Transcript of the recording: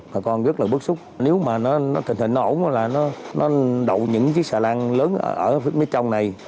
thầy con rất là bức xúc nếu mà nó thịnh thịnh nó ổn là nó đậu những chiếc xà lan lớn ở phía trong này